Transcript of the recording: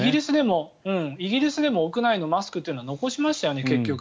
イギリスでも屋内のマスクは残しましたよね。